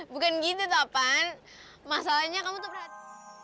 bukan gitu toh pan masalahnya kamu tuh berhati